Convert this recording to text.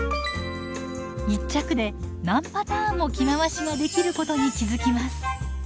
一着で何パターンも着回しができることに気付きます。